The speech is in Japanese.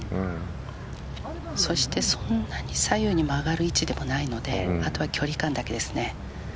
そしてそんなに左右に曲がる位置でもないのであとは距離感だけですね。